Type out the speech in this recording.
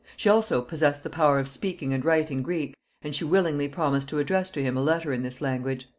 She also possessed the power of speaking and writing Greek, and she willingly promised to address to him a letter in this language.